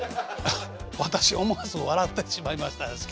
私思わず笑ってしまいましたですけど。